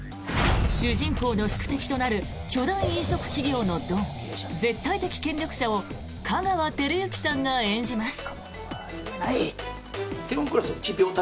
主人公の宿敵となる巨大飲食企業のドン絶対的権力者を香川照之さんが演じます。